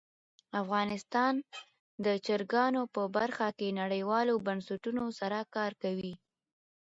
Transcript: افغانستان د چرګانو په برخه کې نړیوالو بنسټونو سره کار کوي.